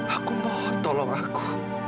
aku mau tolong aku